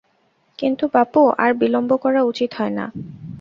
কিন্তু বাপু, আর বিলম্ব করা উচিত হয় না।